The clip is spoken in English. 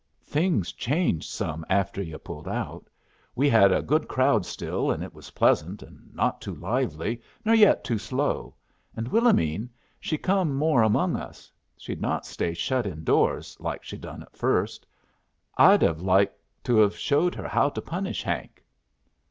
Things changed some after yu' pulled out. We had a good crowd still, and it was pleasant, and not too lively nor yet too slow. And Willomene, she come more among us. She'd not stay shut in doors, like she done at first. I'd have like to've showed her how to punish Hank."